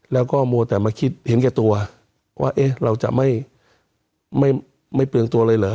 แล้วก็มัวแต่มาคิดเห็นแก่ตัวว่าเอ๊ะเราจะไม่เปลืองตัวเลยเหรอ